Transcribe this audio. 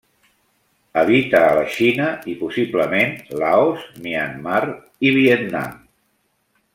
Habita a la Xina i, possiblement Laos, Myanmar i Vietnam.